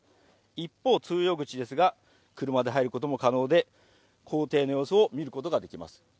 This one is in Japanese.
一方、通用口ですが車で入ることも可能で、校庭の様子を見ることができます。